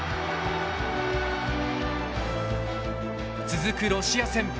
続くロシア戦。